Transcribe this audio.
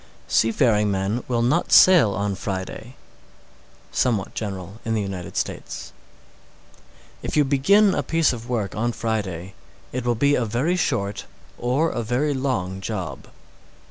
_ 614. Seafaring men will not sail on Friday. Somewhat general in the United States. 615. If you begin a piece of work on Friday, it will be a very short or a very long job.